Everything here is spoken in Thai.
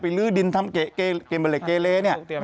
ไปลื้อดินทำเกรเลนี่